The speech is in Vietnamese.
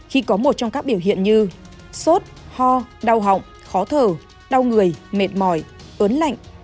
khi có một trong các biểu hiện như sốt ho đau họng khó thở đau người mệt mỏi ớn lạnh